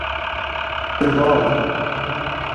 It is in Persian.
بوال